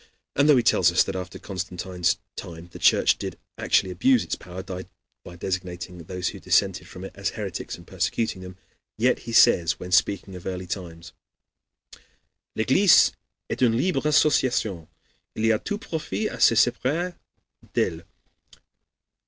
"] And though he tells us that after Constantine's time the Church did actually abuse its power by designating those who dissented from it as heretics and persecuting them, yet he says, when speaking of early times: "L'église est une libre association; il y a tout profit a se séparer d'elle.